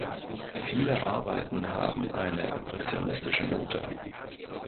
Viele Arbeiten haben eine impressionistische Note.